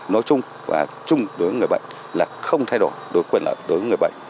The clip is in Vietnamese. nói chung và chung với người bệnh là không thay đổi đối với quyền lợi đối với người bệnh